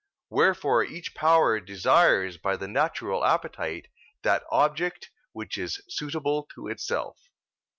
Wherefore each power desires by the natural appetite that object which is suitable to itself.